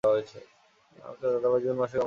তার চাচাতো ভাই জুন মাসে জন্মগ্রহণ করে।